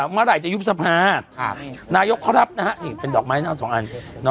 เมื่อไหร่จะยุบสภานายกเขารับนะฮะนี่เป็นดอกไม้เน่าสองอัน